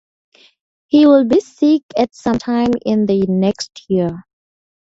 He will be sick at some time in the next year.